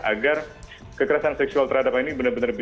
agar kekerasan seksual terhadap anak itu tidak akan menjadi kekejaman